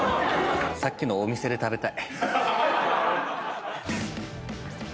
さっきのお店で食べたい。